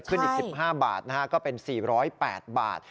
อีก๑๕บาทนะฮะก็เป็น๔๐๘บาท